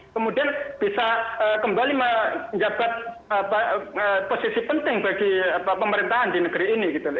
kemudian bisa kembali menjabat posisi penting bagi pemerintahan di negeri ini